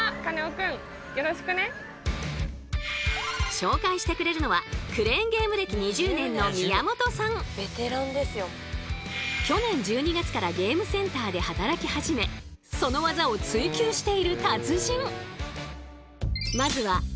紹介してくれるのは去年１２月からゲームセンターで働き始めその技を追求している達人！